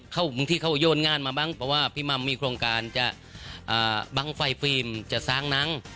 บางทีเขาโยนงานมาบ้างเพราะว่าพี่มัมมีโครงการจะบังไฟฟิล์มจะสร้างหนัง